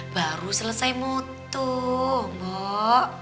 baru selesai muntuh bok